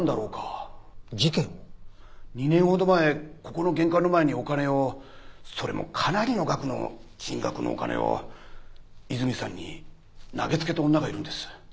２年ほど前ここの玄関の前にお金をそれもかなりの額の金額のお金をいずみさんに投げつけた女がいるんです。